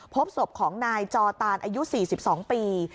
พบศพของนายจอตานอายุ๔๒ปี